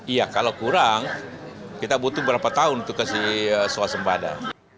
iya kalau kurang kita butuh berapa tahun untuk kasih suasembada